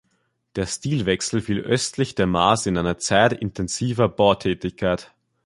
Der Stilwechsel fiel östlich der Maas in eine Zeit intensiver Bautätigkeit.